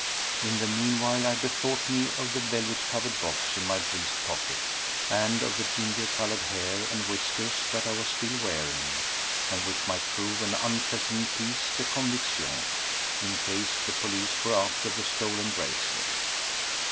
In the meanwhile I bethought me of the velvet covered box in my breast pocket, and of the ginger coloured hair and whiskers that I was still wearing, and which might prove an unpleasant "piece de conviction" in case the police were after the stolen bracelet.